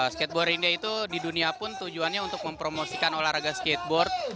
skateboard india itu di dunia pun tujuannya untuk mempromosikan olahraga skateboard